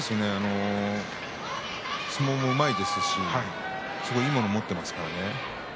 相撲もうまいですしいいものを持っていますからね。